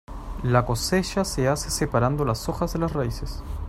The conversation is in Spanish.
La cosecha se hace separando las hojas de las raíces.